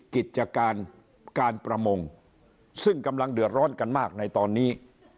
กิจการการประมงซึ่งกำลังเดือดร้อนกันมากในตอนนี้